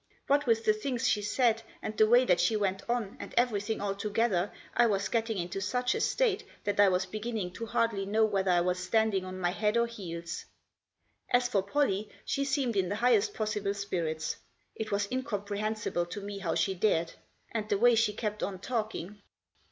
What with the things she said, and the way that she went on, and everything alto gether, I was getting into such a state that I was beginning to hardly know whether I was standing on my head or heels. As for Pollie, she seemed in the highest possible spirits. It was incomprehensible to me how she dared. And the way she kept on talking